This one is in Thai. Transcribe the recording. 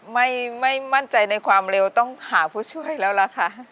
ไม่มั่นใจในความเร็วต้องหาผู้ช่วยแล้วล่ะค่ะ